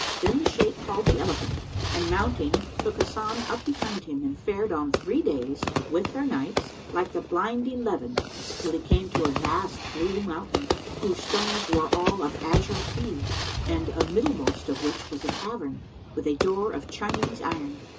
Then the Shaykh called the elephant and mounting, took Hasan up behind him and fared on three days with their nights, like the blinding leven, till he came to a vast blue mountain, whose stones were all of azure hue and amiddlemost of which was a cavern, with a door of Chinese iron.